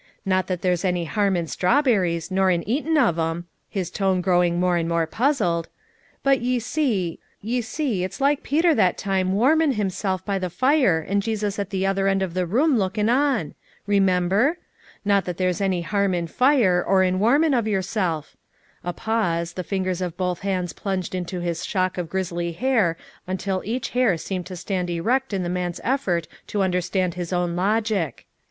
Not that there's any harm in strawberries, nor in eatin' of 'em' — his tone growing more and more puzzled — 'but ye see, — ye see, it's like Peter that time warmin' hisself by the fire and Jesus at the other end of the room lookin' on. Ee member? Not that there's any harm in fire, or in warmin' of yourself;' a pause, the fingers of both hands plunged into his shock of grizzly hair until each hair seemed to stand erect in the man's effort to understand his own logic.